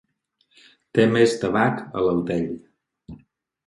Té més tabac a l'altell.